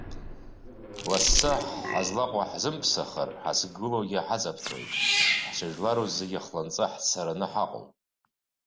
Лассы ҳазлаҟоу ҳзымԥсахыр, ҳзықәгылоу ҳаҵаԥҵәоит, ҳшыжәлару зегьы хланҵы ҳцараны ҳаҟоуп!